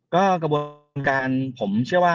ก็กระบวนการผมเชื่อว่า